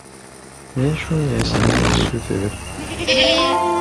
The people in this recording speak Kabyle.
D acu i asent-d-tessuter?